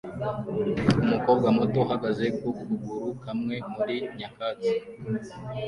Umukobwa muto uhagaze ku kuguru kamwe muri nyakatsi